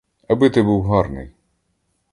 Аби ти був гарний.